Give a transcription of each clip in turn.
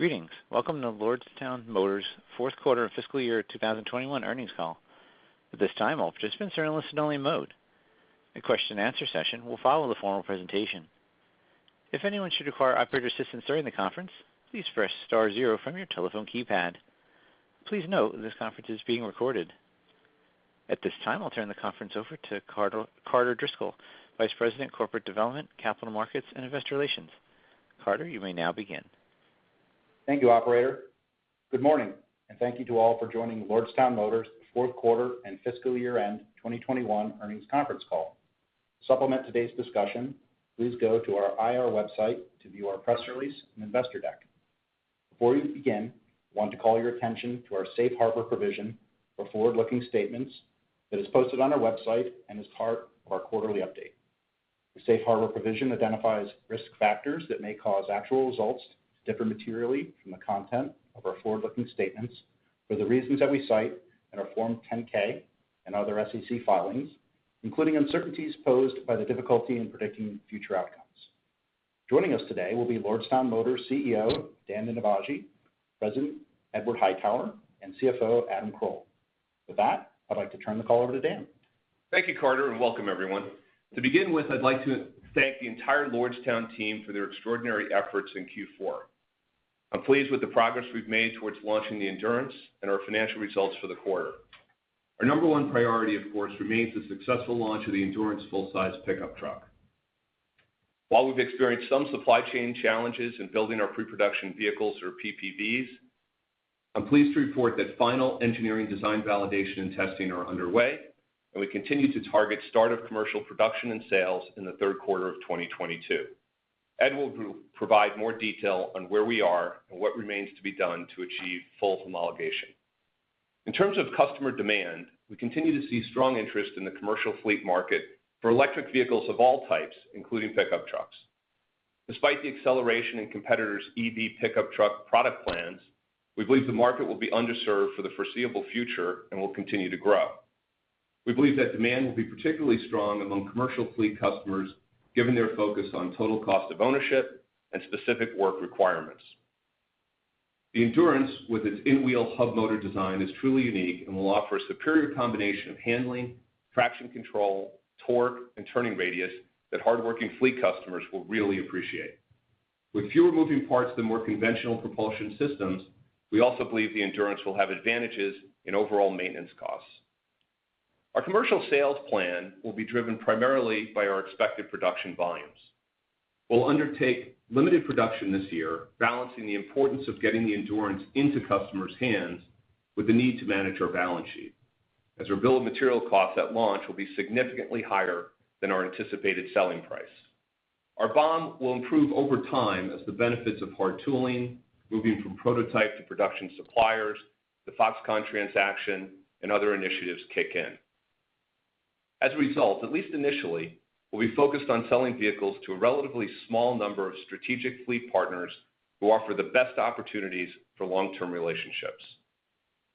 Greetings. Welcome to Lordstown Motors' fourth quarter fiscal year 2021 earnings call. At this time, all participants are in listen-only mode. A question-and-answer session will follow the formal presentation. If anyone should require operator assistance during the conference, please press star zero from your telephone keypad. Please note this conference is being recorded. At this time, I'll turn the conference over to Carter Driscoll, Vice President, Corporate Development, Capital Markets and Investor Relations. Carter, you may now begin. Thank you, operator. Good morning, and thank you to all for joining Lordstown Motors fourth quarter and fiscal year-end 2021 earnings conference call. To supplement today's discussion, please go to our IR website to view our press release and investor deck. Before we begin, I want to call your attention to our safe harbor provision for forward-looking statements that is posted on our website and is part of our quarterly update. The safe harbor provision identifies risk factors that may cause actual results to differ materially from the content of our forward-looking statements for the reasons that we cite in our Form 10-K and other SEC filings, including uncertainties posed by the difficulty in predicting future outcomes. Joining us today will be Lordstown Motors CEO, Dan Ninivaggi, President Edward Hightower, and CFO Adam Kroll. With that, I'd like to turn the call over to Dan. Thank you, Carter, and welcome everyone. To begin with, I'd like to thank the entire Lordstown team for their extraordinary efforts in Q4. I'm pleased with the progress we've made towards launching the Endurance and our financial results for the quarter. Our number one priority, of course, remains the successful launch of the Endurance full-size pickup truck. While we've experienced some supply chain challenges in building our pre-production vehicles or PPVs, I'm pleased to report that final engineering design validation and testing are underway, and we continue to target start of commercial production and sales in the third quarter of 2022. Ed will provide more detail on where we are and what remains to be done to achieve full homologation. In terms of customer demand, we continue to see strong interest in the commercial fleet market for electric vehicles of all types, including pickup trucks. Despite the acceleration in competitors' EV pickup truck product plans, we believe the market will be underserved for the foreseeable future and will continue to grow. We believe that demand will be particularly strong among commercial fleet customers, given their focus on total cost of ownership and specific work requirements. The Endurance, with its in-wheel hub motor design, is truly unique and will offer a superior combination of handling, traction control, torque, and turning radius that hardworking fleet customers will really appreciate. With fewer moving parts than more conventional propulsion systems, we also believe the Endurance will have advantages in overall maintenance costs. Our commercial sales plan will be driven primarily by our expected production volumes. We'll undertake limited production this year, balancing the importance of getting the Endurance into customers' hands with the need to manage our balance sheet, as our bill of material costs at launch will be significantly higher than our anticipated selling price. Our BOM will improve over time as the benefits of hard tooling, moving from prototype to production suppliers, the Foxconn transaction, and other initiatives kick in. As a result, at least initially, we'll be focused on selling vehicles to a relatively small number of strategic fleet partners who offer the best opportunities for long-term relationships.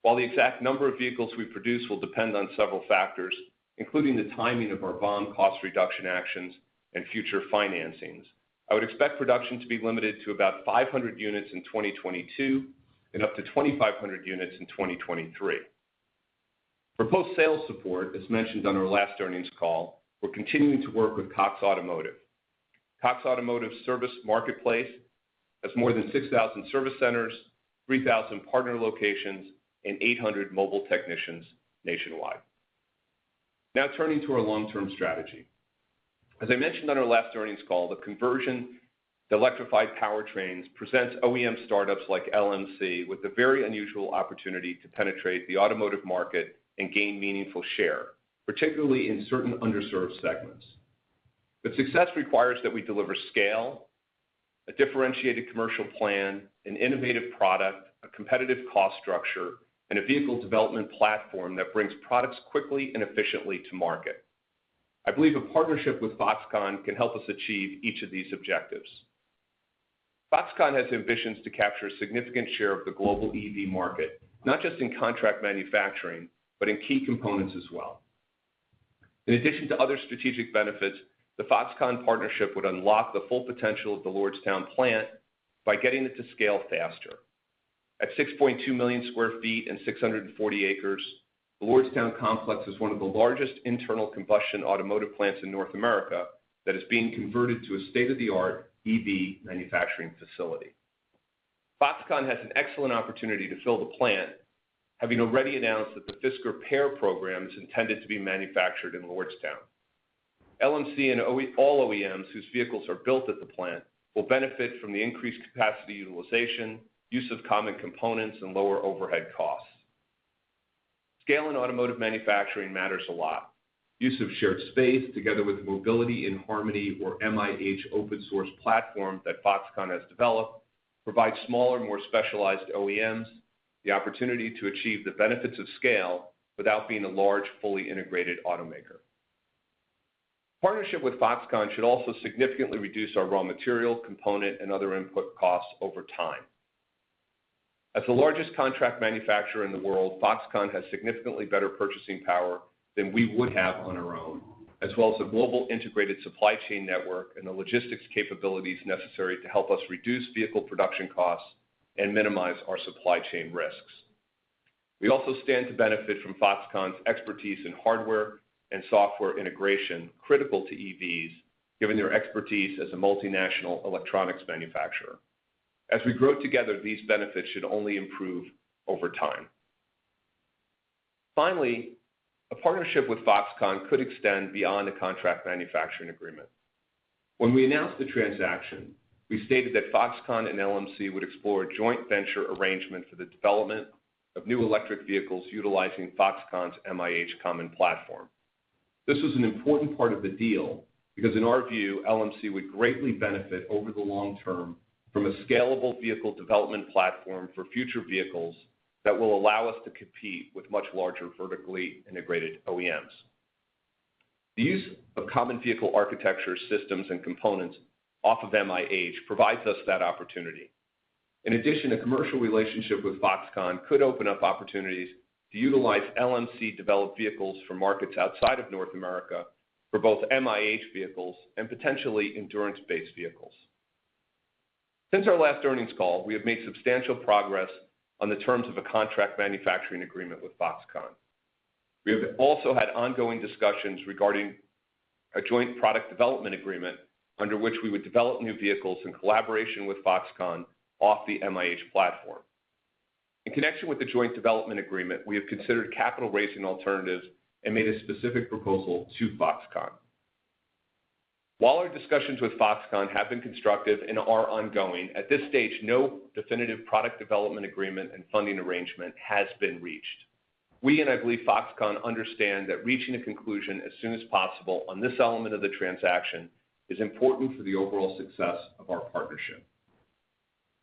While the exact number of vehicles we produce will depend on several factors, including the timing of our BOM cost reduction actions and future financings, I would expect production to be limited to about 500 units in 2022 and up to 2,500 units in 2023. For post-sales support, as mentioned on our last earnings call, we're continuing to work with Cox Automotive. Cox Automotive service marketplace has more than 6,000 service centers, 3,000 partner locations, and 800 mobile technicians nationwide. Now turning to our long-term strategy. As I mentioned on our last earnings call, the conversion to electrified powertrains presents OEM startups like LMC with the very unusual opportunity to penetrate the automotive market and gain meaningful share, particularly in certain underserved segments. Success requires that we deliver scale, a differentiated commercial plan, an innovative product, a competitive cost structure, and a vehicle development platform that brings products quickly and efficiently to market. I believe a partnership with Foxconn can help us achieve each of these objectives. Foxconn has ambitions to capture a significant share of the global EV market, not just in contract manufacturing, but in key components as well. In addition to other strategic benefits, the Foxconn partnership would unlock the full potential of the Lordstown plant by getting it to scale faster. At 6.2 million sq ft and 640 acres, the Lordstown complex is one of the largest internal combustion automotive plants in North America that is being converted to a state-of-the-art EV manufacturing facility. Foxconn has an excellent opportunity to fill the plant, having already announced that the Fisker PEAR program is intended to be manufactured in Lordstown. LMC and all OEMs whose vehicles are built at the plant will benefit from the increased capacity utilization, use of common components, and lower overhead costs. Scale in automotive manufacturing matters a lot. Use of shared space, together with Mobility-in-Harmony, or MIH, open-source platform that Foxconn has developed, provides smaller, more specialized OEMs the opportunity to achieve the benefits of scale without being a large, fully integrated automaker. Partnership with Foxconn should also significantly reduce our raw material, component, and other input costs over time. As the largest contract manufacturer in the world, Foxconn has significantly better purchasing power than we would have on our own, as well as a global integrated supply chain network and the logistics capabilities necessary to help us reduce vehicle production costs and minimize our supply chain risks. We also stand to benefit from Foxconn's expertise in hardware and software integration critical to EVs, given their expertise as a multinational electronics manufacturer. As we grow together, these benefits should only improve over time. Finally, a partnership with Foxconn could extend beyond a contract manufacturing agreement. When we announced the transaction, we stated that Foxconn and LMC would explore a joint venture arrangement for the development of new electric vehicles utilizing Foxconn's MIH common platform. This is an important part of the deal because in our view, LMC would greatly benefit over the long term from a scalable vehicle development platform for future vehicles that will allow us to compete with much larger vertically integrated OEMs. The use of common vehicle architecture systems and components off of MIH provides us that opportunity. In addition, a commercial relationship with Foxconn could open up opportunities to utilize LMC-developed vehicles for markets outside of North America for both MIH vehicles and potentially Endurance-based vehicles. Since our last earnings call, we have made substantial progress on the terms of a contract manufacturing agreement with Foxconn. We have also had ongoing discussions regarding a joint product development agreement under which we would develop new vehicles in collaboration with Foxconn off the MIH platform. In connection with the joint development agreement, we have considered capital raising alternatives and made a specific proposal to Foxconn. While our discussions with Foxconn have been constructive and are ongoing, at this stage, no definitive product development agreement and funding arrangement has been reached. We and I believe Foxconn understand that reaching a conclusion as soon as possible on this element of the transaction is important for the overall success of our partnership.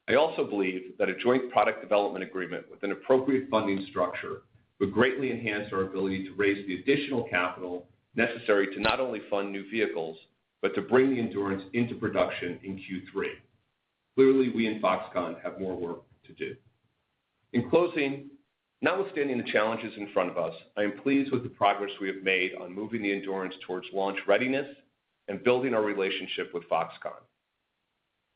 I also believe that a joint product development agreement with an appropriate funding structure would greatly enhance our ability to raise the additional capital necessary to not only fund new vehicles, but to bring the Endurance into production in Q3. Clearly, we and Foxconn have more work to do. In closing, notwithstanding the challenges in front of us, I am pleased with the progress we have made on moving the Endurance towards launch readiness and building our relationship with Foxconn.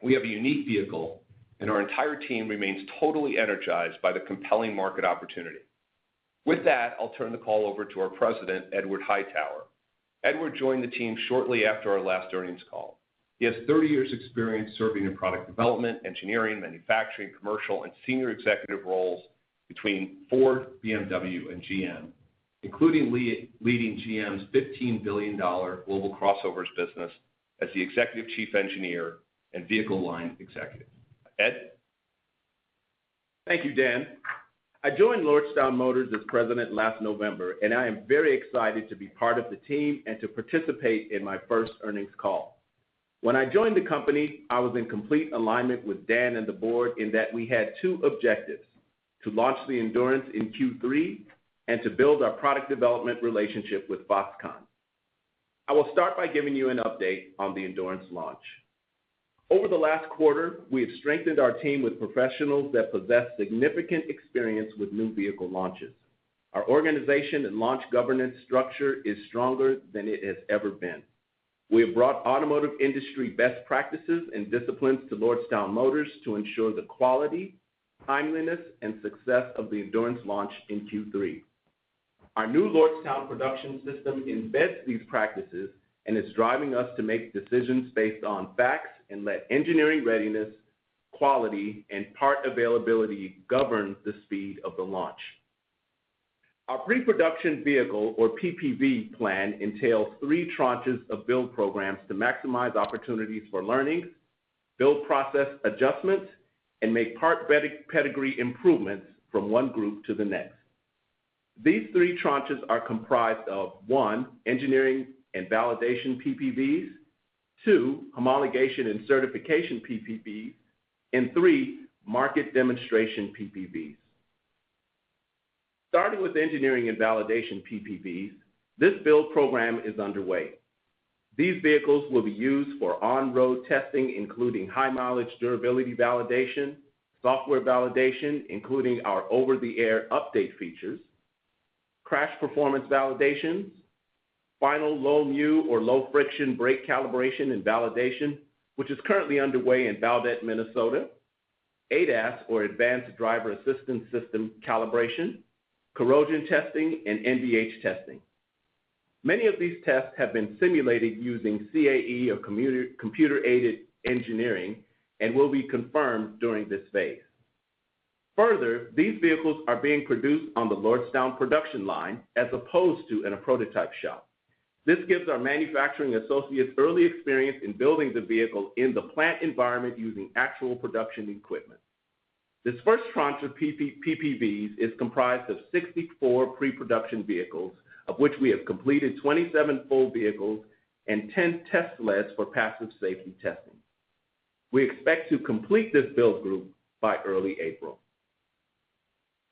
We have a unique vehicle and our entire team remains totally energized by the compelling market opportunity. With that, I'll turn the call over to our President, Edward Hightower. Edward joined the team shortly after our last earnings call. He has 30 years' experience serving in product development, engineering, manufacturing, commercial, and senior executive roles between Ford, BMW, and GM, including leading GM's $15 billion global crossovers business as the executive chief engineer and vehicle line executive. Ed? Thank you, Dan. I joined Lordstown Motors as President last November, and I am very excited to be part of the team and to participate in my first earnings call. When I joined the company, I was in complete alignment with Dan and The Board in that we had two objectives, to launch the Endurance in Q3 and to build our product development relationship with Foxconn. I will start by giving you an update on the Endurance launch. Over the last quarter, we have strengthened our team with professionals that possess significant experience with new vehicle launches. Our organization and launch governance structure is stronger than it has ever been. We have brought automotive industry best practices and disciplines to Lordstown Motors to ensure the quality, timeliness, and success of the Endurance launch in Q3. Our new Lordstown production system embeds these practices and is driving us to make decisions based on facts and let engineering readiness, quality, and part availability govern the speed of the launch. Our pre-production vehicle or PPV plan entails three tranches of build programs to maximize opportunities for learning, build process adjustments, and make part pedigree improvements from one group to the next. These three tranches are comprised of one, engineering and validation PPVs, two, homologation and certification PPVs, and three, market demonstration PPVs. Starting with engineering and validation PPVs, this build program is underway. These vehicles will be used for on-road testing, including high mileage durability validation, software validation, including our over-the-air update features, crash performance validation, final low mu or low friction brake calibration and validation, which is currently underway in Bemidji, Minnesota, ADAS or advanced driver assistance system calibration, corrosion testing, and NVH testing. Many of these tests have been simulated using CAE or computer-aided engineering and will be confirmed during this phase. Further, these vehicles are being produced on the Lordstown production line as opposed to in a prototype shop. This gives our manufacturing associates early experience in building the vehicle in the plant environment using actual production equipment. This first tranche of PPVs is comprised of 64 pre-production vehicles of which we have completed 27 full vehicles and 10 test sleds for passive safety testing. We expect to complete this build group by early April.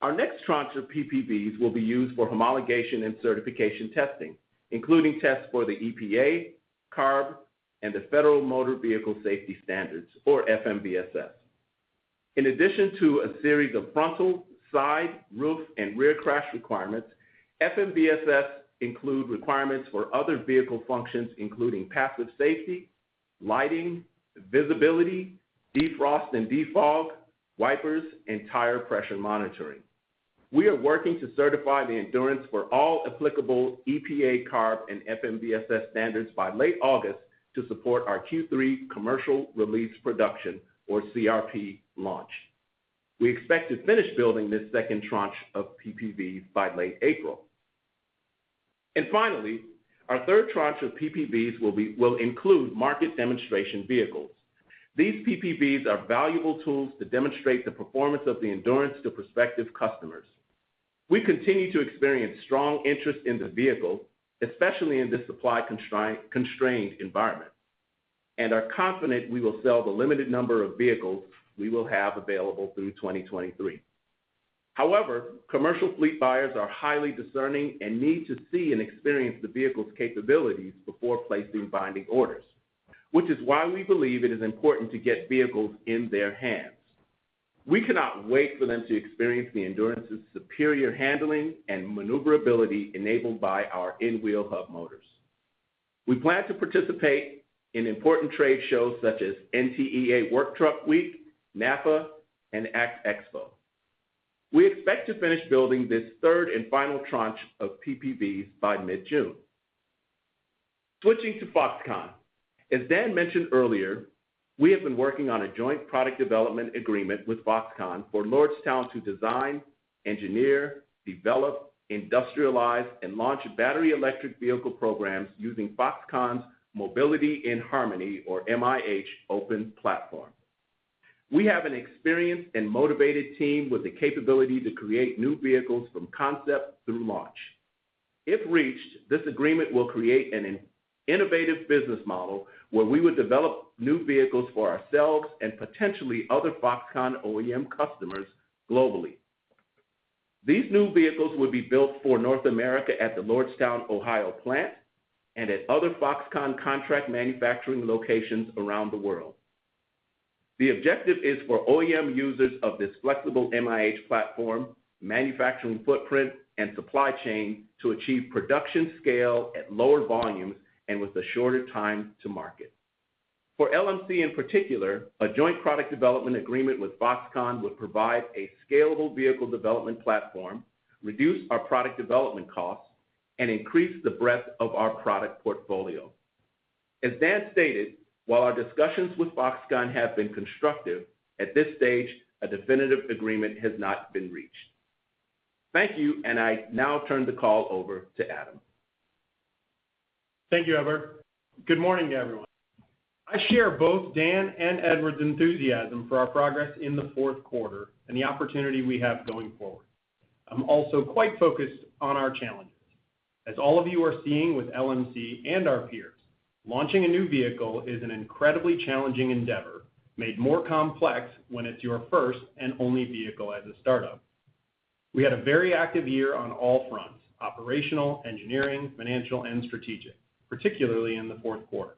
Our next tranche of PPVs will be used for homologation and certification testing, including tests for the EPA, CARB, and the Federal Motor Vehicle Safety Standards, or FMVSS. In addition to a series of frontal, side, roof, and rear crash requirements, FMVSS include requirements for other vehicle functions, including passive safety, lighting, visibility, defrost and defog, wipers, and tire pressure monitoring. We are working to certify the Endurance for all applicable EPA, CARB, and FMVSS standards by late August to support our Q3 commercial release production, or CRP launch. We expect to finish building this second tranche of PPVs by late April. Finally, our third tranche of PPVs will include market demonstration vehicles. These PPVs are valuable tools to demonstrate the performance of the Endurance to prospective customers. We continue to experience strong interest in the vehicle, especially in this supply-constrained environment, and are confident we will sell the limited number of vehicles we will have available through 2023. However, commercial fleet buyers are highly discerning and need to see and experience the vehicle's capabilities before placing binding orders, which is why we believe it is important to get vehicles in their hands. We cannot wait for them to experience the Endurance's superior handling and maneuverability enabled by our in-wheel hub motors. We plan to participate in important trade shows such as NTEA Work Truck Week, NAFA, and ACT Expo. We expect to finish building this third and final tranche of PPVs by mid-June. Switching to Foxconn. As Dan mentioned earlier, we have been working on a joint product development agreement with Foxconn for Lordstown to design, engineer, develop, industrialize, and launch battery electric vehicle programs using Foxconn's Mobility-in-Harmony, or MIH, open platform. We have an experienced and motivated team with the capability to create new vehicles from concept through launch. If reached, this agreement will create an innovative business model where we would develop new vehicles for ourselves and potentially other Foxconn OEM customers globally. These new vehicles would be built for North America at the Lordstown, Ohio plant and at other Foxconn contract manufacturing locations around the world. The objective is for OEM users of this flexible MIH platform, manufacturing footprint, and supply chain to achieve production scale at lower volumes and with a shorter time to market. For LMC in particular, a joint product development agreement with Foxconn would provide a scalable vehicle development platform, reduce our product development costs, and increase the breadth of our product portfolio. As Dan stated, while our discussions with Foxconn have been constructive, at this stage, a definitive agreement has not been reached. Thank you, and I now turn the call over to Adam. Thank you, Edward. Good morning, everyone. I share both Dan and Edward's enthusiasm for our progress in the fourth quarter and the opportunity we have going forward. I'm also quite focused on our challenges. As all of you are seeing with LMC and our peers, launching a new vehicle is an incredibly challenging endeavor, made more complex when it's your first and only vehicle as a startup. We had a very active year on all fronts, operational, engineering, financial, and strategic, particularly in the fourth quarter.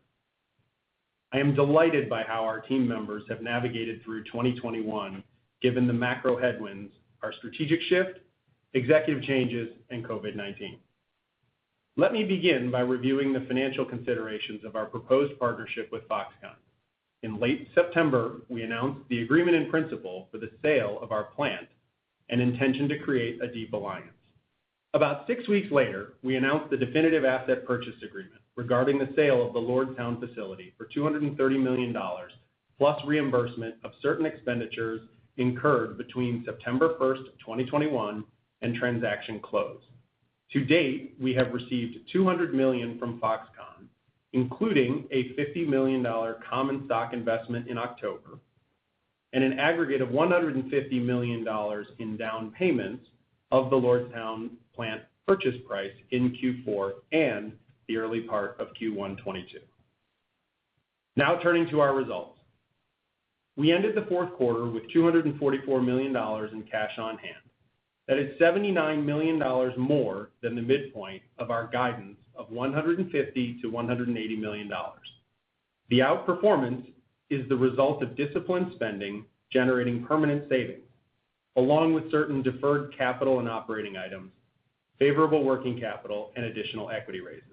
I am delighted by how our team members have navigated through 2021 given the macro headwinds, our strategic shift, executive changes, and COVID-19. Let me begin by reviewing the financial considerations of our proposed partnership with Foxconn. In late September, we announced the agreement in principle for the sale of our plant and intention to create a deep alliance. About six weeks later, we announced the definitive asset purchase agreement regarding the sale of the Lordstown facility for $230 million, plus reimbursement of certain expenditures incurred between September 1, 2021 and transaction close. To date, we have received $200 million from Foxconn, including a $50 million common stock investment in October and an aggregate of $150 million in down payments of the Lordstown plant purchase price in Q4 and the early part of Q1 2022. Now turning to our results. We ended the fourth quarter with $244 million in cash on hand. That is $79 million more than the midpoint of our guidance of $150 million-$180 million. The outperformance is the result of disciplined spending, generating permanent savings, along with certain deferred capital and operating items, favorable working capital, and additional equity raises.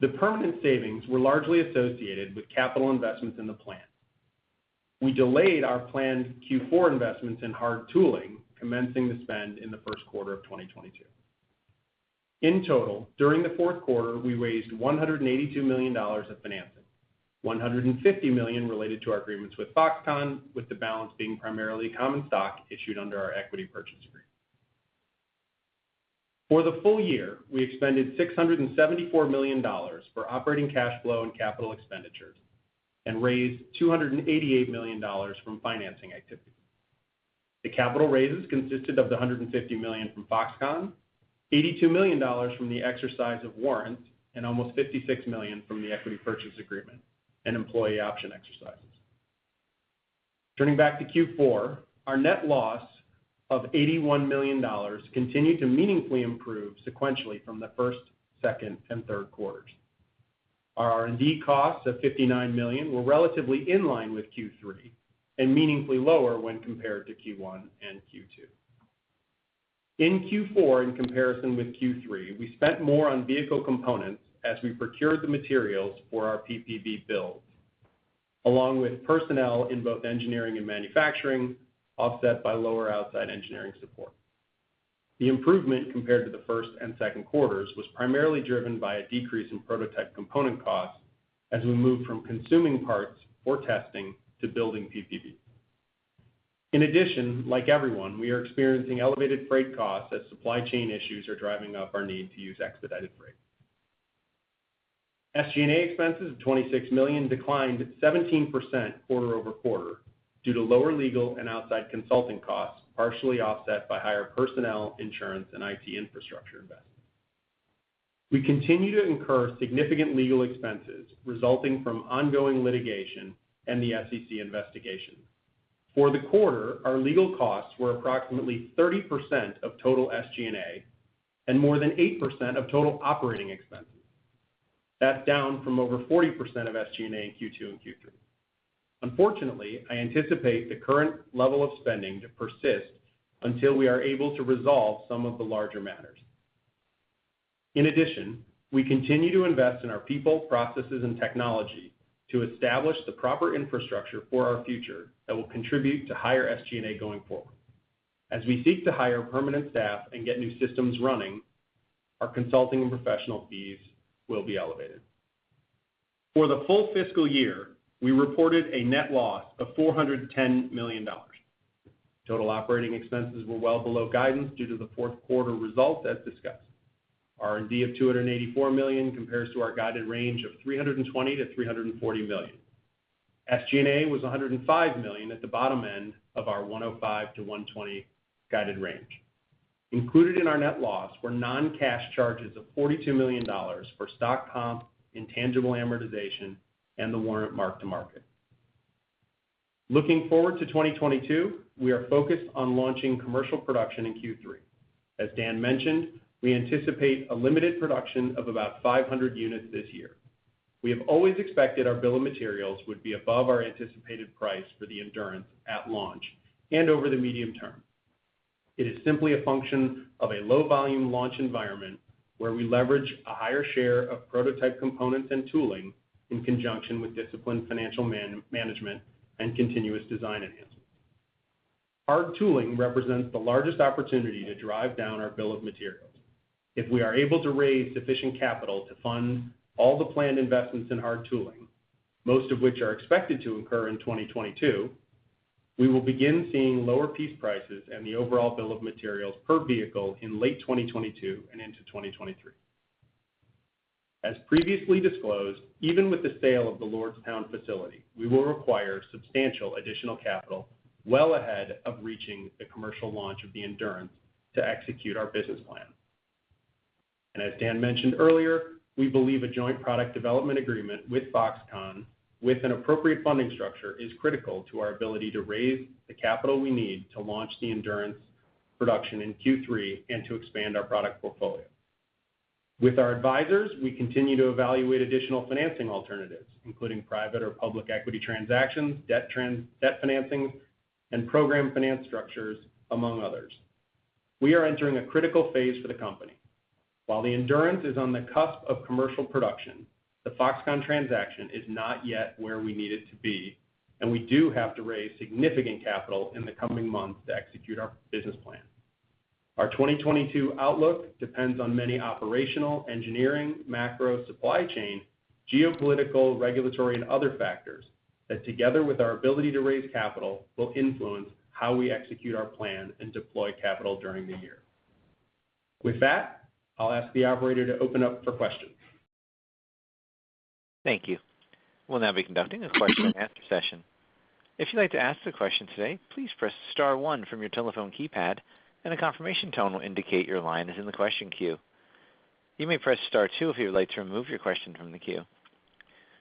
The permanent savings were largely associated with capital investments in the plant. We delayed our planned Q4 investments in hard tooling, commencing the spend in the first quarter of 2022. In total, during the fourth quarter, we raised $182 million of financing, $150 million related to our agreements with Foxconn, with the balance being primarily common stock issued under our equity purchase agreement. For the full year, we expended $674 million for operating cash flow and capital expenditures and raised $288 million from financing activities. The capital raises consisted of $150 million from Foxconn. $82 million from the exercise of warrant and almost $56 million from the equity purchase agreement and employee option exercises. Turning back to Q4, our net loss of $81 million continued to meaningfully improve sequentially from the first, second, and third quarters. Our R&D costs of $59 million were relatively in line with Q3 and meaningfully lower when compared to Q1 and Q2. In Q4, in comparison with Q3, we spent more on vehicle components as we procured the materials for our PPV build, along with personnel in both engineering and manufacturing, offset by lower outside engineering support. The improvement compared to the first and second quarters was primarily driven by a decrease in prototype component costs as we moved from consuming parts for testing to building PPV. Like everyone, we are experiencing elevated freight costs as supply chain issues are driving up our need to use expedited freight. SG&A expenses of $26 million declined 17% quarter-over-quarter due to lower legal and outside consulting costs, partially offset by higher personnel insurance and IT infrastructure investments. We continue to incur significant legal expenses resulting from ongoing litigation and the SEC investigation. For the quarter, our legal costs were approximately 30% of total SG&A and more than 8% of total operating expenses. That's down from over 40% of SG&A in Q2 and Q3. Unfortunately, I anticipate the current level of spending to persist until we are able to resolve some of the larger matters. We continue to invest in our people, processes, and technology to establish the proper infrastructure for our future that will contribute to higher SG&A going forward. As we seek to hire permanent staff and get new systems running, our consulting and professional fees will be elevated. For the full fiscal year, we reported a net loss of $410 million. Total operating expenses were well below guidance due to the fourth quarter result as discussed. R&D of $284 million compares to our guided range of $320 million-$340 million. SG&A was $105 million at the bottom end of our $105 million-$120 million guided range. Included in our net loss were non-cash charges of $42 million for stock comp, intangible amortization, and the warrant mark-to-market. Looking forward to 2022, we are focused on launching commercial production in Q3. As Dan mentioned, we anticipate a limited production of about 500 units this year. We have always expected our bill of materials would be above our anticipated price for the Endurance at launch and over the medium term. It is simply a function of a low volume launch environment where we leverage a higher share of prototype components and tooling in conjunction with disciplined financial management and continuous design enhancements. Hard tooling represents the largest opportunity to drive down our bill of materials. If we are able to raise sufficient capital to fund all the planned investments in hard tooling, most of which are expected to incur in 2022, we will begin seeing lower piece prices and the overall bill of materials per vehicle in late 2022 and into 2023. As previously disclosed, even with the sale of the Lordstown facility, we will require substantial additional capital well ahead of reaching the commercial launch of the Endurance to execute our business plan. As Dan mentioned earlier, we believe a joint product development agreement with Foxconn, with an appropriate funding structure, is critical to our ability to raise the capital we need to launch the Endurance production in Q3 and to expand our product portfolio. With our advisors, we continue to evaluate additional financing alternatives, including private or public equity transactions, debt financing, and program finance structures, among others. We are entering a critical phase for the company. While the Endurance is on the cusp of commercial production, the Foxconn transaction is not yet where we need it to be, and we do have to raise significant capital in the coming months to execute our business plan. Our 2022 outlook depends on many operational, engineering, macro, supply chain, geopolitical, regulatory, and other factors that, together with our ability to raise capital, will influence how we execute our plan and deploy capital during the year. With that, I'll ask the operator to open up for questions. Thank you. We'll now be conducting a question-and-answer session. If you'd like to ask a question today, please press star one from your telephone keypad and a confirmation tone will indicate your line is in the question queue. You may press star two if you would like to remove your question from the queue.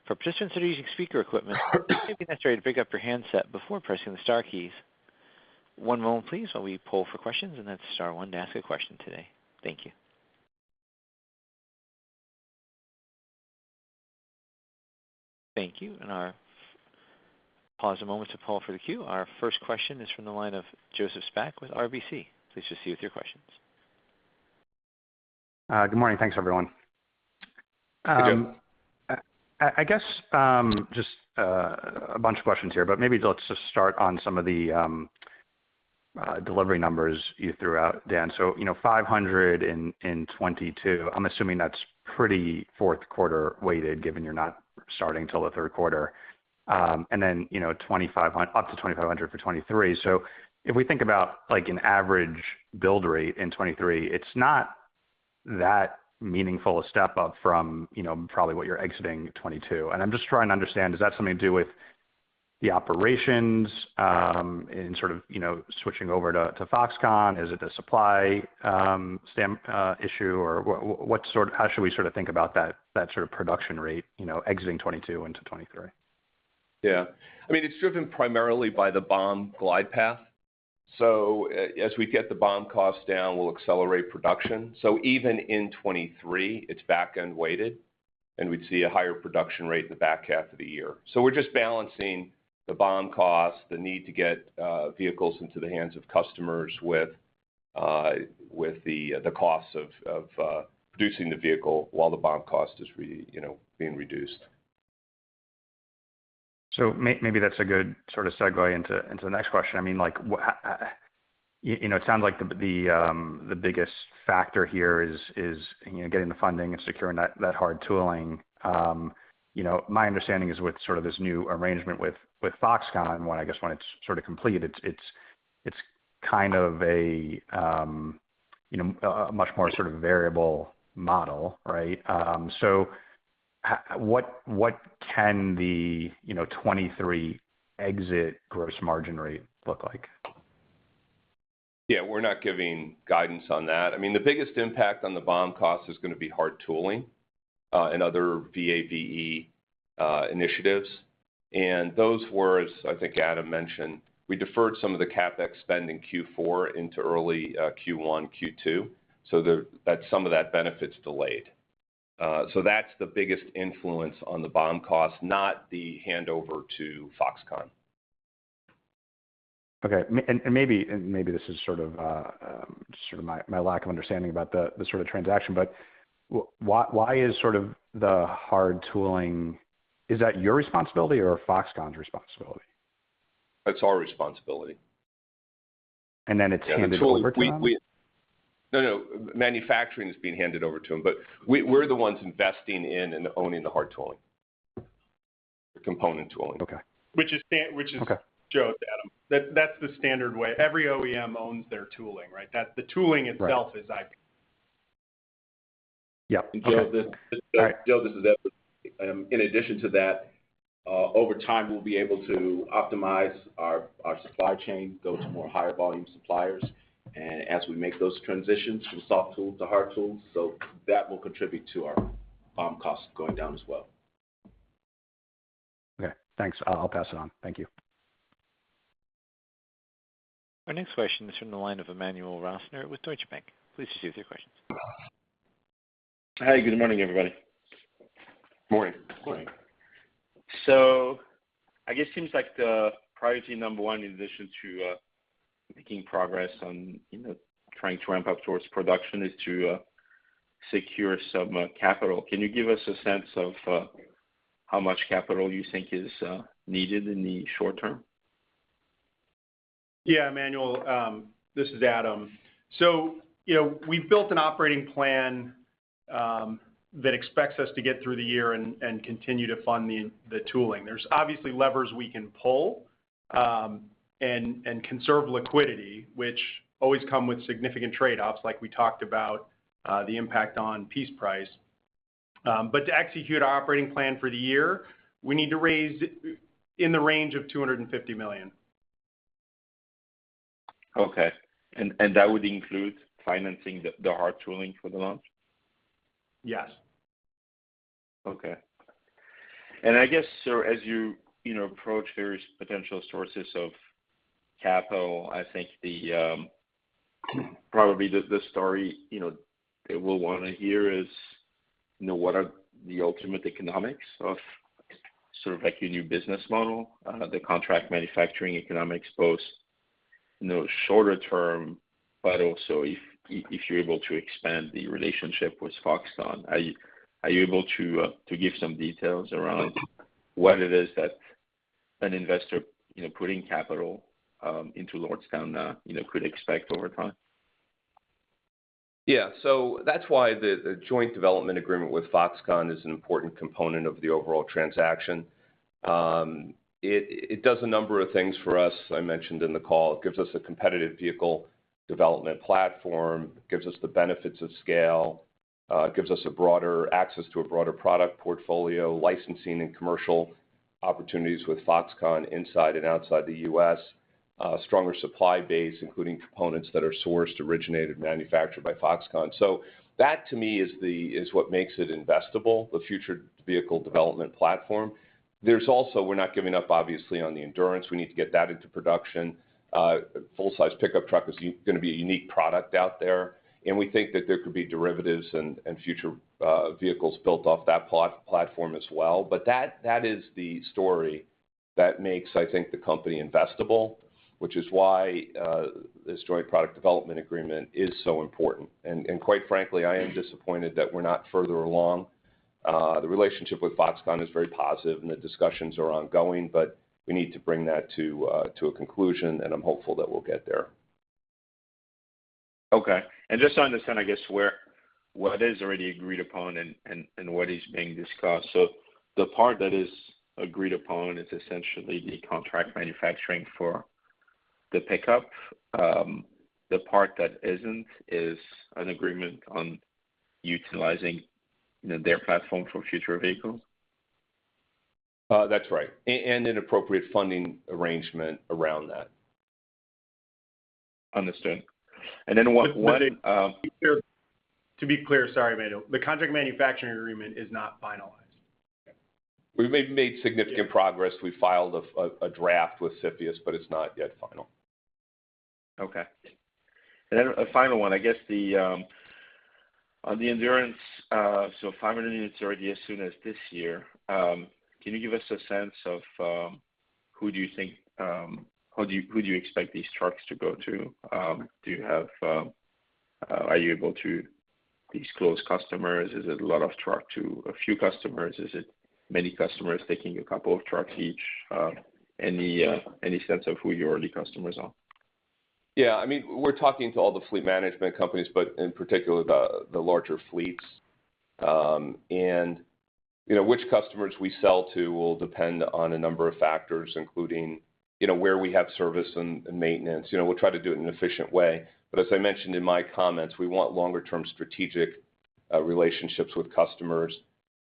For participants that are using speaker equipment, it may be necessary to pick up your handset before pressing the star keys. One moment please, while we pull for questions, and that's star one to ask a question today. Thank you. Thank you. I'll pause a moment to pull for the queue. Our first question is from the line of Joseph Spak with RBC. Please proceed with your questions. Good morning. Thanks, everyone. Hey, Joe. I guess just a bunch of questions here, but maybe let's just start on some of the delivery numbers you threw out, Dan. You know, 500 in 2022, I'm assuming that's pretty fourth quarter weighted, given you're not starting till the third quarter. You know, up to 2,500 for 2023. If we think about like an average build rate in 2023, it's not that meaningful a step up from, you know, probably what you're exiting 2022. I'm just trying to understand, does that have something to do with The operations in sort of, you know, switching over to Foxconn. Is it a supply chain issue? Or what sort. How should we sort of think about that sort of production rate, you know, exiting 2022 into 2023? Yeah. I mean, it's driven primarily by the BOM glide path. As we get the BOM costs down, we'll accelerate production. Even in 2023, it's back-end weighted, and we'd see a higher production rate in the back half of the year. We're just balancing the BOM cost, the need to get vehicles into the hands of customers with the cost of producing the vehicle while the BOM cost is, you know, being reduced. Maybe that's a good sort of segue into the next question. I mean, like, you know, it sounds like the biggest factor here is, you know, getting the funding and securing that hard tooling. You know, my understanding is with sort of this new arrangement with Foxconn, when I guess it's sort of complete, it's kind of a much more sort of variable model, right? What can you know, 2023 exit gross margin rate look like? Yeah, we're not giving guidance on that. I mean, the biggest impact on the BOM cost is gonna be hard tooling and other VAVE initiatives. Those were, as I think Adam mentioned, we deferred some of the CapEx spend in Q4 into early Q1, Q2, so that some of that benefit's delayed. That's the biggest influence on the BOM cost, not the handover to Foxconn. Okay. Maybe this is sort of my lack of understanding about the sort of transaction, but why is sort of the hard tooling? Is that your responsibility or Foxconn's responsibility? It's our responsibility. It's handed over to them? Manufacturing is being handed over to them, but we're the ones investing in and owning the hard tooling. The component tooling. Okay. Which is stan- Okay. Which is Joe's, Adam. That's the standard way. Every OEM owns their tooling, right? That's the tooling itself- Right is IP. Yeah. Okay. All right. Joe, this is Edward. In addition to that, over time, we'll be able to optimize our supply chain, go to more higher volume suppliers and as we make those transitions from soft tools to hard tools, that will contribute to our BOM costs going down as well. Okay, thanks. I'll pass it on. Thank you. Our next question is from the line of Emmanuel Rosner with Deutsche Bank. Please proceed with your question. Hi. Good morning, everybody. Morning. Morning. I guess seems like the priority number one in addition to, making progress on, you know, trying to ramp up towards production is to, secure some, capital. Can you give us a sense of, how much capital you think is, needed in the short term? Yeah, Emmanuel, this is Adam. You know, we've built an operating plan that expects us to get through the year and continue to fund the tooling. There's obviously levers we can pull and conserve liquidity, which always come with significant trade-offs, like we talked about, the impact on piece price. To execute our operating plan for the year, we need to raise in the range of $250 million. Okay. That would include financing the hard tooling for the launch? Yes. Okay. I guess as you know, approach various potential sources of capital, I think probably the story, you know, they will wanna hear is, you know, what are the ultimate economics of sort of like your new business model, the contract manufacturing economics both, you know, shorter term, but also if you're able to expand the relationship with Foxconn. Are you able to give some details around what it is that an investor, you know, putting capital into Lordstown, you know, could expect over time? Yeah. That's why the joint development agreement with Foxconn is an important component of the overall transaction. It does a number of things for us. I mentioned in the call, it gives us a competitive vehicle development platform, gives us the benefits of scale, gives us a broader access to a broader product portfolio, licensing and commercial opportunities with Foxconn inside and outside the U.S., stronger supply base, including components that are sourced, originated, manufactured by Foxconn. That to me is what makes it investable, the future vehicle development platform. There's also, we're not giving up obviously on the Endurance. We need to get that into production. Full-size pickup truck is gonna be a unique product out there, and we think that there could be derivatives and future vehicles built off that platform as well. That is the story that makes, I think, the company investable, which is why this joint product development agreement is so important. Quite frankly, I am disappointed that we're not further along. The relationship with Foxconn is very positive and the discussions are ongoing, but we need to bring that to a conclusion, and I'm hopeful that we'll get there. Okay. Just to understand, I guess, what is already agreed upon and what is being discussed. The part that is agreed upon is essentially the contract manufacturing for the pickup, the part that isn't is an agreement on utilizing, you know, their platform for future vehicles? That's right. An appropriate funding arrangement around that. Understood. One To be clear, sorry, Emmanuel. The contract manufacturing agreement is not finalized. We've made significant progress. We filed a draft with CFIUS, but it's not yet final. Okay. Then a final one. I guess the on the Endurance, so 500 units already as soon as this year. Can you give us a sense of who do you think or who do you expect these trucks to go to? Do you have, are you able to disclose customers? Is it a lot of trucks to a few customers? Is it many customers taking a couple of trucks each? Any sense of who your early customers are? Yeah. I mean, we're talking to all the fleet management companies, but in particular the larger fleets. Which customers we sell to will depend on a number of factors, including, you know, where we have service and maintenance. You know, we'll try to do it in an efficient way. As I mentioned in my comments, we want longer term strategic relationships with customers.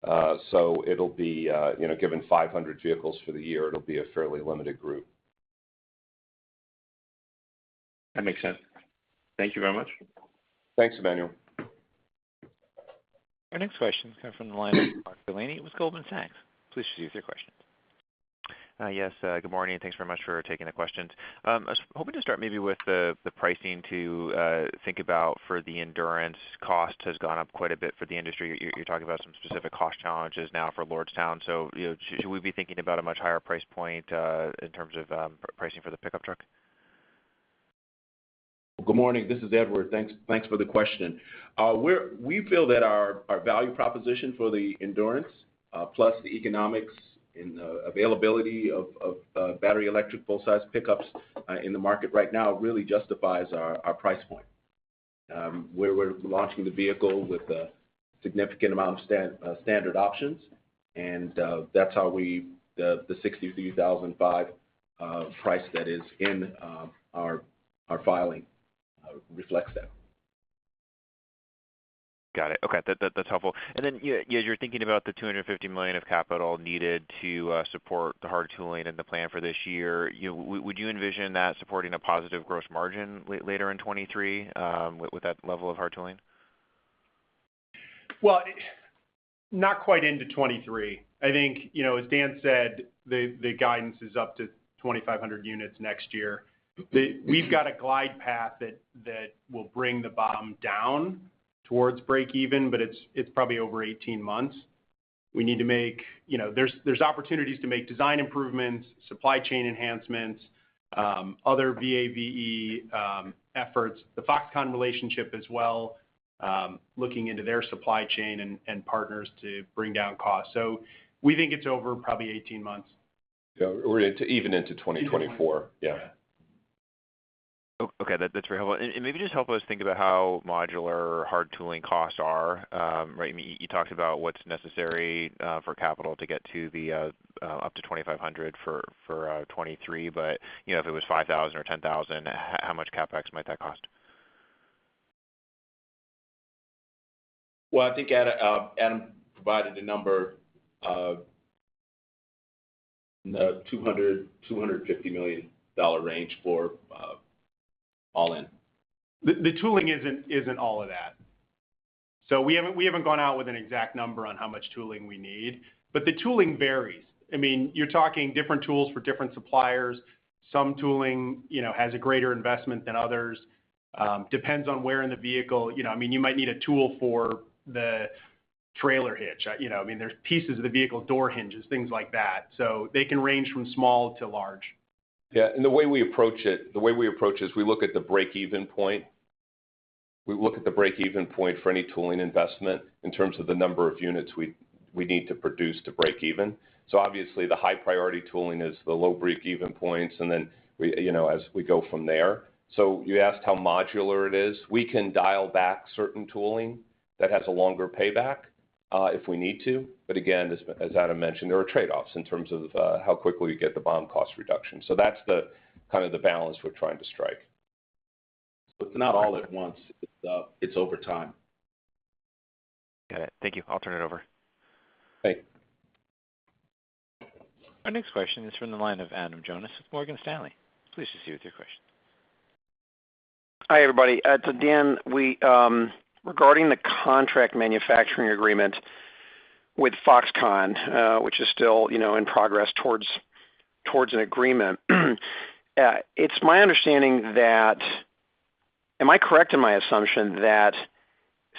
It'll be, you know, given 500 vehicles for the year, it'll be a fairly limited group. That makes sense. Thank you very much. Thanks, Emmanuel. Our next question comes from the line of Mark Delaney with Goldman Sachs. Please proceed with your questions. Yes, good morning, and thanks very much for taking the questions. I was hoping to start maybe with the pricing to think about for the Endurance. Cost has gone up quite a bit for the industry. You're talking about some specific cost challenges now for Lordstown. You know, should we be thinking about a much higher price point in terms of pricing for the pickup truck? Good morning. This is Edward. Thanks for the question. We feel that our value proposition for the Endurance, plus the economics and availability of battery electric full-size pickups in the market right now really justifies our price point. We're launching the vehicle with a significant amount of standard options, and that's how the $63,500 price that is in our filing reflects that. Got it. Okay. That's helpful. As you're thinking about the $250 million of capital needed to support the hard tooling and the plan for this year, you know, would you envision that supporting a positive gross margin later in 2023 with that level of hard tooling? Well, not quite into 2023. I think, you know, as Dan said, the guidance is up to 2,500 units next year. We've got a glide path that will bring the bottom down towards break even, but it's probably over 18 months. We need to make you know there's opportunities to make design improvements, supply chain enhancements, other VAVE efforts. The Foxconn relationship as well, looking into their supply chain and partners to bring down costs. We think it's over probably 18 months. Yeah, or even into 2024. Even 2024. Yeah. Yeah. Okay, that's very helpful. Maybe just help us think about how modular hard tooling costs are. Right, I mean, you talked about what's necessary for CapEx to get up to 2,500 for 2023. You know, if it was 5,000 or 10,000, how much CapEx might that cost? Well, I think Adam provided a number of the $200 million-$250 million range for all in. The tooling isn't all of that. We haven't gone out with an exact number on how much tooling we need, but the tooling varies. I mean, you're talking different tools for different suppliers. Some tooling, you know, has a greater investment than others. Depends on where in the vehicle, you know. I mean, you might need a tool for the trailer hitch, you know. I mean, there's pieces of the vehicle door hinges, things like that. They can range from small to large. Yeah. The way we approach it is we look at the break-even point. We look at the break-even point for any tooling investment in terms of the number of units we need to produce to break even. Obviously, the high priority tooling is the low break-even points, and then we, you know, as we go from there. You asked how modular it is. We can dial back certain tooling that has a longer payback, if we need to. Again, as Adam mentioned, there are trade-offs in terms of, how quickly you get the BOM cost reduction. That's the kind of the balance we're trying to strike. It's not all at once. It's over time. Got it. Thank you. I'll turn it over. Thanks. Our next question is from the line of Adam Jonas with Morgan Stanley. Please proceed with your question. Hi, everybody. Dan, regarding the contract manufacturing agreement with Foxconn, which is still, you know, in progress towards an agreement. It's my understanding. Am I correct in my assumption that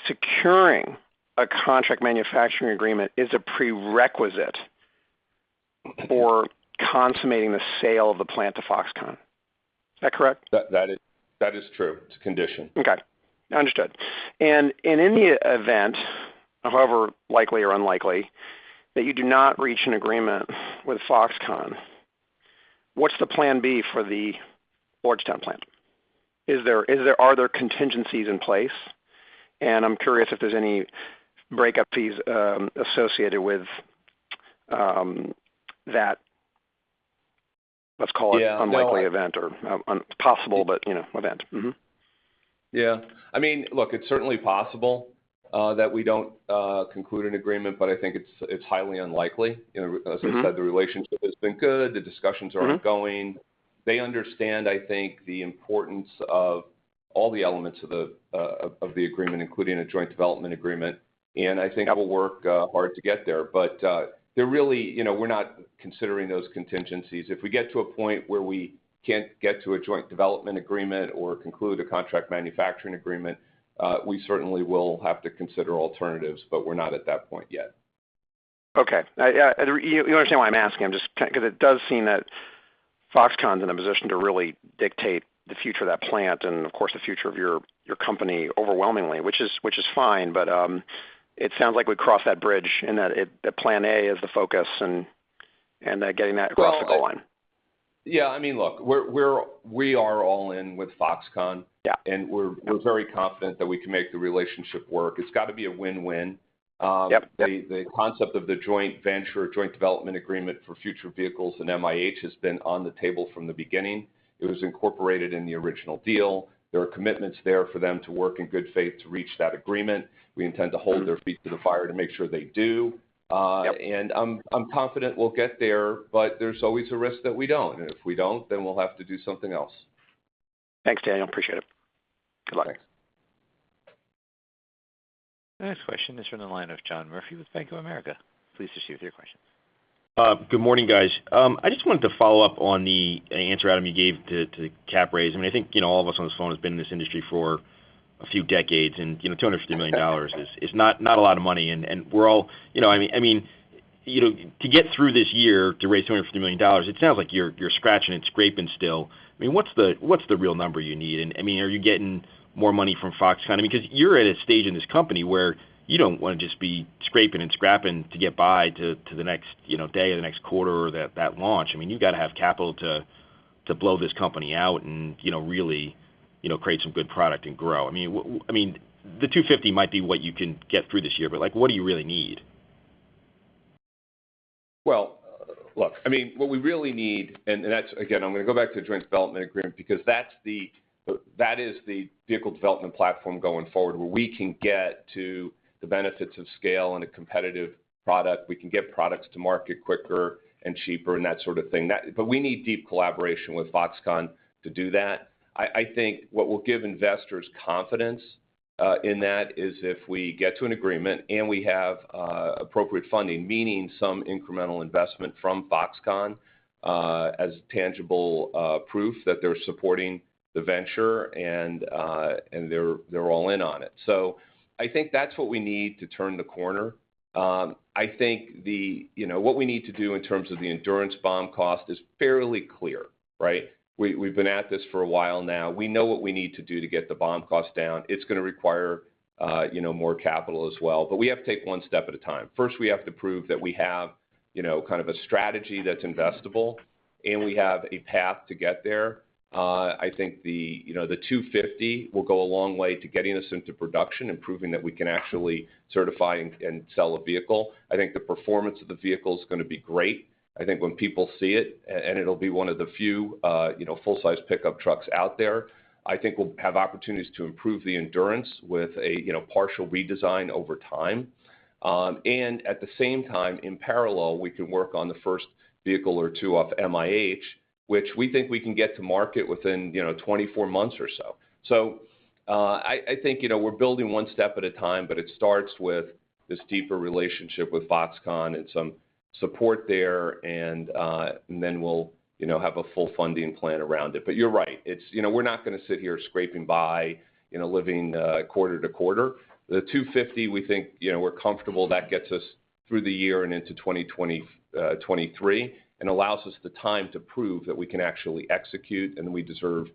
securing a contract manufacturing agreement is a prerequisite for consummating the sale of the plant to Foxconn? Is that correct? That is true. It's a condition. Okay. Understood. In any event, however likely or unlikely, that you do not reach an agreement with Foxconn, what's the plan B for the Lordstown plant? Are there contingencies in place? I'm curious if there's any breakup fees associated with that, let's call it. Yeah. Well. An unlikely event or possible but, you know, event. Yeah. I mean, look, it's certainly possible that we don't conclude an agreement, but I think it's highly unlikely. You know- As I said, the relationship has been good. The discussions are ongoing. They understand, I think, the importance of all the elements of the agreement, including a joint development agreement, and I think I will work hard to get there. But they're really, you know, we're not considering those contingencies. If we get to a point where we can't get to a joint development agreement or conclude a contract manufacturing agreement, we certainly will have to consider alternatives, but we're not at that point yet. Okay. Yeah, you understand why I'm asking. I'm just curious 'cause it does seem that Foxconn's in a position to really dictate the future of that plant and, of course, the future of your company overwhelmingly, which is fine, but it sounds like we crossed that bridge and that plan A is the focus and getting that across the goal line. Well, yeah. I mean, look, we are all in with Foxconn. Yeah. We're very confident that we can make the relationship work. It's gotta be a win-win. Yep The concept of the joint venture, joint development agreement for future vehicles and MIH has been on the table from the beginning. It was incorporated in the original deal. There are commitments there for them to work in good faith to reach that agreement. We intend to hold their feet to the fire to make sure they do. Yep I'm confident we'll get there, but there's always a risk that we don't. If we don't, then we'll have to do something else. Thanks, Dan. Appreciate it. Good luck. Thanks. Next question is from the line of John Murphy with Bank of America. Please proceed with your question. Good morning, guys. I just wanted to follow up on the answer, Adam, you gave to capital raise. I mean, I think, you know, all of us on this phone has been in this industry for a few decades and, you know, $250 million is not a lot of money, and we're all, you know, I mean, you know, to get through this year to raise $250 million, it sounds like you're scratching and scraping still. I mean, what's the real number you need? And I mean, are you getting more money from Foxconn? I mean, 'cause you're at a stage in this company where you don't wanna just be scraping and scrapping to get by to the next, you know, day or the next quarter or that launch. I mean, you've gotta have capital to blow this company out and, you know, really, you know, create some good product and grow. I mean, the $250 might be what you can get through this year, but, like, what do you really need? I mean, what we really need. Again, I'm gonna go back to the joint development agreement because that is the vehicle development platform going forward, where we can get to the benefits of scale and a competitive product. We can get products to market quicker and cheaper and that sort of thing. We need deep collaboration with Foxconn to do that. I think what will give investors confidence in that is if we get to an agreement and we have appropriate funding, meaning some incremental investment from Foxconn, as tangible proof that they're supporting the venture and they're all in on it. I think that's what we need to turn the corner. I think the... You know, what we need to do in terms of the Endurance BOM cost is fairly clear, right? We've been at this for a while now. We know what we need to do to get the BOM cost down. It's gonna require, you know, more capital as well, but we have to take one step at a time. First, we have to prove that we have, you know, kind of a strategy that's investable, and we have a path to get there. I think you know the $250 million will go a long way to getting us into production and proving that we can actually certify and sell a vehicle. I think the performance of the vehicle is gonna be great, I think when people see it, and it'll be one of the few, you know, full-size pickup trucks out there. I think we'll have opportunities to improve the Endurance with a, you know, partial redesign over time. At the same time, in parallel, we can work on the first vehicle or two off MIH, which we think we can get to market within, you know, 24 months or so. I think, you know, we're building one step at a time, but it starts with this deeper relationship with Foxconn and some support there and then we'll, you know, have a full funding plan around it. You're right. It's. You know, we're not gonna sit here scraping by, you know, living quarter to quarter. The $250 million, we think, you know, we're comfortable that gets us through the year and into 2022 and 2023, and allows us the time to prove that we can actually execute and we deserve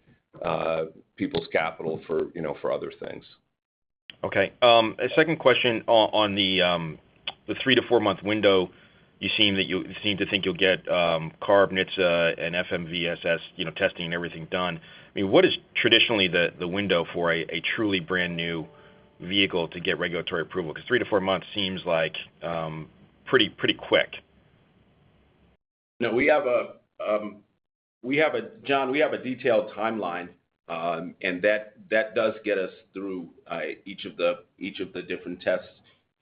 people's capital for, you know, for other things. Okay. A second question on the 3-4 month window, you seem to think you'll get CARB, NHTSA, and FMVSS, you know, testing and everything done. I mean, what is traditionally the window for a truly brand-new vehicle to get regulatory approval? 'Cause 3-4 months seems like pretty quick. No, John, we have a detailed timeline, and that does get us through each of the different tests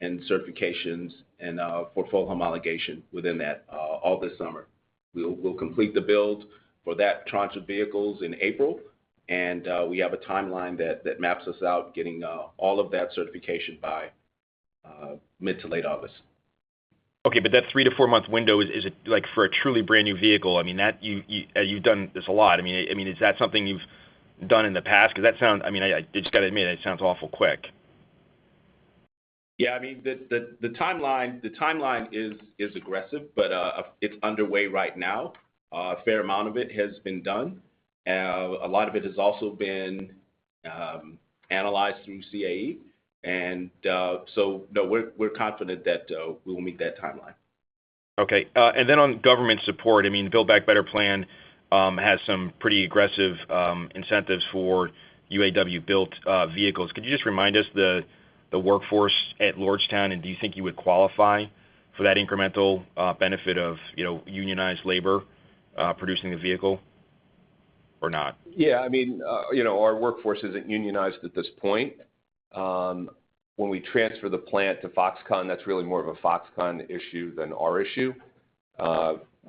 and certifications and for full homologation within that all this summer. We'll complete the build for that tranche of vehicles in April, and we have a timeline that maps us out, getting all of that certification by mid to late August. Okay. That 3-4-month window, is it, like, for a truly brand-new vehicle? I mean, you've done this a lot. I mean, is that something you've done in the past? I mean, I just gotta admit, it sounds awful quick. Yeah. I mean, the timeline is aggressive, but it's underway right now. A fair amount of it has been done. A lot of it has also been analyzed through CAE. No, we're confident that we will meet that timeline. Okay, on government support, I mean, Build Back Better plan has some pretty aggressive incentives for UAW-built vehicles. Could you just remind us of the workforce at Lordstown, and do you think you would qualify for that incremental benefit of, you know, unionized labor producing the vehicle or not? Yeah. I mean, you know, our workforce isn't unionized at this point. When we transfer the plant to Foxconn, that's really more of a Foxconn issue than our issue.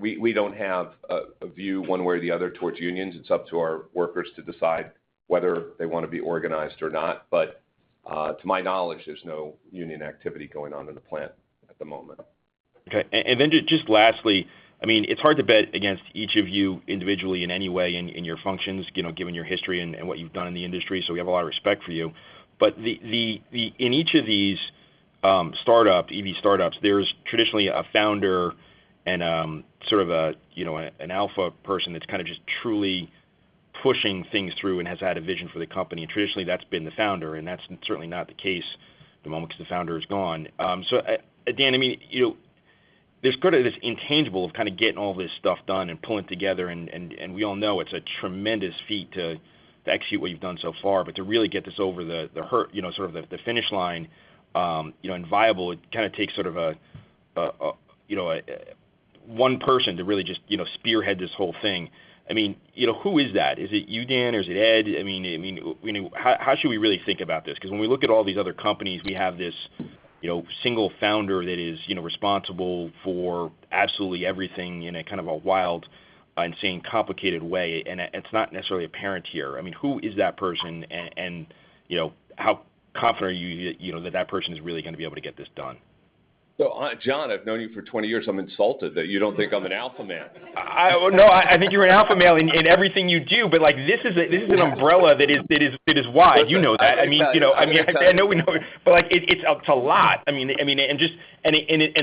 We don't have a view one way or the other towards unions. It's up to our workers to decide whether they wanna be organized or not. To my knowledge, there's no union activity going on in the plant at the moment. Okay. Then just lastly, I mean, it's hard to bet against each of you individually in any way in your functions, you know, given your history and what you've done in the industry, so we have a lot of respect for you. In each of these startup EV startups, there's traditionally a founder and sort of a, you know, an alpha person that's kinda just truly pushing things through and has had a vision for the company, and traditionally that's been the founder, and that's certainly not the case at the moment 'cause the founder is gone. Dan, I mean, you know, there's sort of this intangible of kinda getting all this stuff done and pulling it together, and we all know it's a tremendous feat to execute what you've done so far. To really get this over you know, sort of the finish line and viable, it kinda takes sort of a you know, one person to really just you know, spearhead this whole thing. I mean, you know, who is that? Is it you, Dan? Or is it Ed? I mean, you know, how should we really think about this? 'Cause when we look at all these other companies, we have this you know, single founder that is you know, responsible for absolutely everything in a kind of a wild, insane, complicated way, and it's not necessarily apparent here. I mean, who is that person and you know, how confident are you you know, that that person is really gonna be able to get this done? John, I've known you for 20 years. I'm insulted that you don't think I'm an alpha male. No, I think you're an alpha male in everything you do, but, like, this is an umbrella that is wide, you know that. Listen, I get that. I get that. I mean, you know, I know we know. But like, it's a lot. I mean.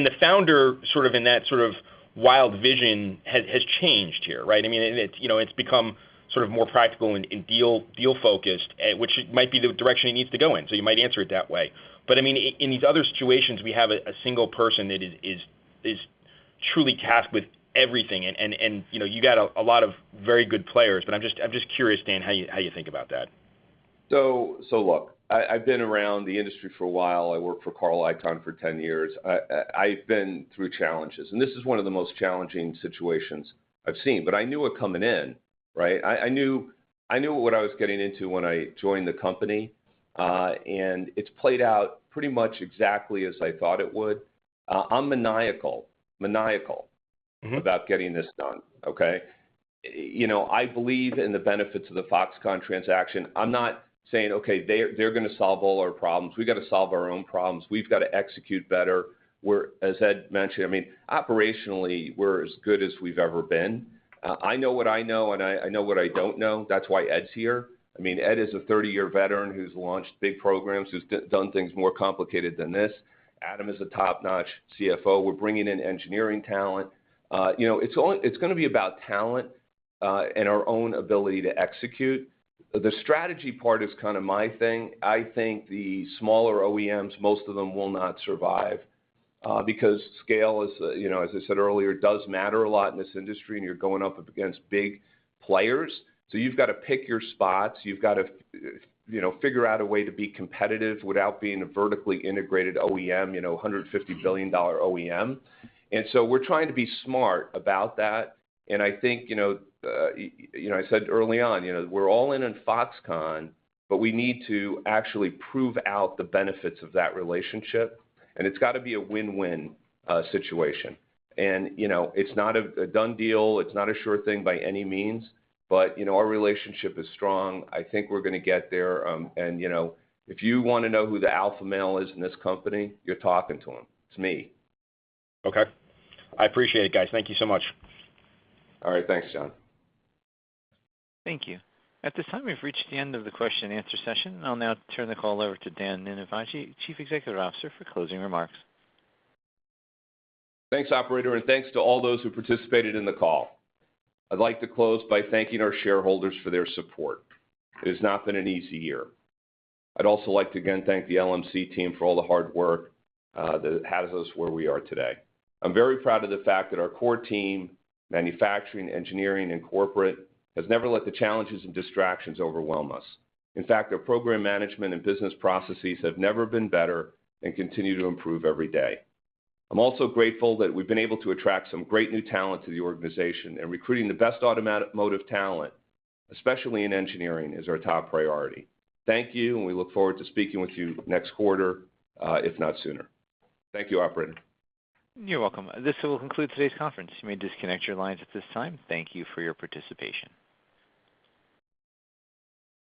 The founder sort of in that sort of wild vision has changed here, right? I mean, and it's, you know, it's become sort of more practical and deal focused, which might be the direction it needs to go in, so you might answer it that way. But I mean, in these other situations, we have a single person that is truly tasked with everything. You know, you got a lot of very good players, but I'm just curious, Dan, how you think about that. Look, I've been around the industry for a while. I worked for Carl Icahn for 10 years. I've been through challenges, and this is one of the most challenging situations I've seen, but I knew it coming in, right? I knew what I was getting into when I joined the company, and it's played out pretty much exactly as I thought it would. I'm maniacal. About getting this done, okay? You know, I believe in the benefits of the Foxconn transaction. I'm not saying, "Okay, they're gonna solve all our problems." We've gotta solve our own problems. We've gotta execute better. As Ed mentioned, I mean, operationally, we're as good as we've ever been. I know what I know, and I know what I don't know. That's why Ed's here. I mean, Ed is a 30-year veteran who's launched big programs, who's done things more complicated than this. Adam is a top-notch CFO. We're bringing in engineering talent. You know, it's gonna be about talent, and our own ability to execute. The strategy part is kinda my thing. I think the smaller OEMs, most of them will not survive because scale is, you know, as I said earlier, does matter a lot in this industry, and you're going up against big players. You've gotta pick your spots. You've gotta figure out a way to be competitive without being a vertically integrated OEM, you know, a $150 billion OEM. We're trying to be smart about that, and I think, you know, I said early on, you know, we're all in on Foxconn, but we need to actually prove out the benefits of that relationship, and it's gotta be a win-win situation. It's not a done deal. It's not a sure thing by any means. Our relationship is strong. I think we're gonna get there. You know, if you wanna know who the alpha male is in this company, you're talking to him. It's me. Okay. I appreciate it, guys. Thank you so much. All right. Thanks, John. Thank you. At this time, we've reached the end of the question and-answer session. I'll now turn the call over to Dan Ninivaggi, Chief Executive Officer, for closing remarks. Thanks, operator, and thanks to all those who participated in the call. I'd like to close by thanking our shareholders for their support. It has not been an easy year. I'd also like to again thank the LMC team for all the hard work that has us where we are today. I'm very proud of the fact that our core team, manufacturing, engineering, and corporate, has never let the challenges and distractions overwhelm us. In fact, our program management and business processes have never been better and continue to improve every day. I'm also grateful that we've been able to attract some great new talent to the organization, and recruiting the best automotive talent, especially in engineering, is our top priority. Thank you, and we look forward to speaking with you next quarter, if not sooner. Thank you, operator. You're welcome. This will conclude today's conference. You may disconnect your lines at this time. Thank you for your participation.